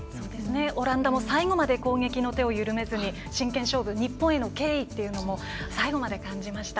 オランダも最後まで攻撃の手を緩めず真剣勝負日本への敬意というのも最後まで感じました。